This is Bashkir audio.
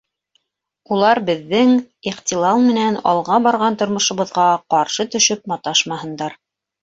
Улар беҙҙең ихтилал менән алға барған тормошобоҙға ҡаршы төшөп маташмаһындар.